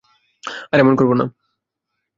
আর এমন করবো না।